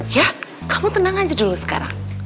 ya kamu tenang aja dulu sekarang